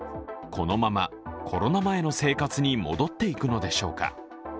このままコロナ前の生活に戻っていくのでしょうか。